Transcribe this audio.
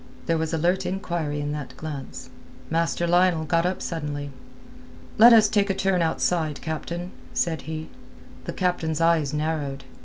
There was alert inquiry in that glance. Master Lionel got up suddenly. "Let us take a turn outside, captain," said he. The captain's eyes narrowed.